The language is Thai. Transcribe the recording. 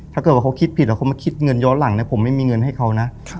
ถ้าเกิดว่าเขาคิดผิดแล้วเขามาคิดเงินย้อนหลังเนี่ยผมไม่มีเงินให้เขานะ